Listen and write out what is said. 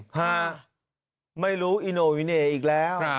ฮะไม่รู้อิโนอิเน่อีกแล้ว